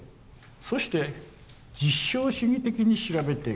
そして実証主義的に調べていく。